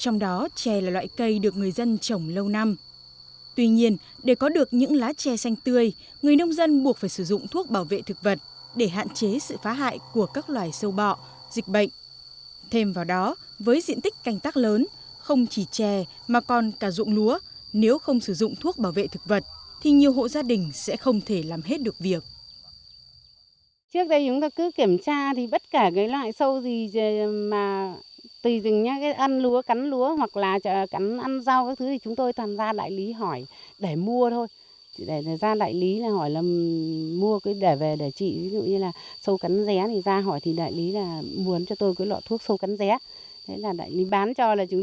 nếu không sử dụng thuốc bảo vệ thực vật thì nhiều hộ gia đình sẽ không thể làm hết được việc